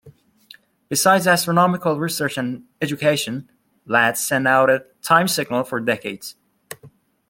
Besides astronomical research and education, Ladd sent out a time signal for decades.